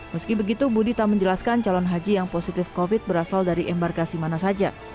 meski begitu budi tak menjelaskan calon haji yang positif covid berasal dari embarkasi mana saja